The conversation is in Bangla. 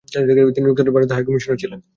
তিনি যুক্তরাজ্যে ভারতের হাই কমিশনার ছিলেন।